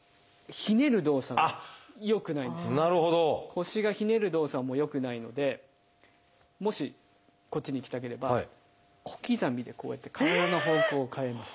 腰がひねる動作も良くないのでもしこっちに行きたければ小刻みでこうやって体の方向を変えます。